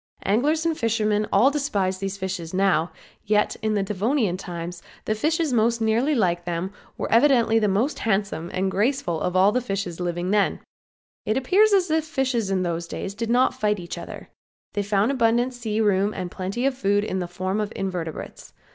Anglers and fishermen all despise these fishes now, yet in Devonian times the fishes most nearly like them were evidently the most handsome and graceful of all fishes then living. It appears as if fishes in those days did not fight each other. They found abundant sea room and plenty of food in the form of invertebrates.